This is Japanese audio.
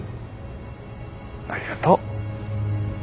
ありがとう。